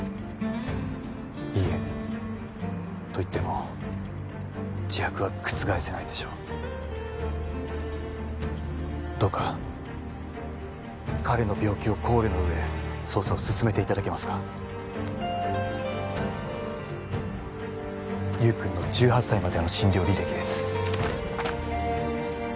いいえと言っても自白は覆せないでしょうどうか彼の病気を考慮の上捜査を進めていただけますか優君の１８歳までの診療履歴です